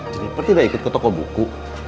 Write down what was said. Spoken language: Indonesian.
kenapa tidak ikut ke toko buku